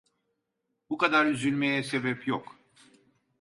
Bu kadar üzülmeye sebep yok.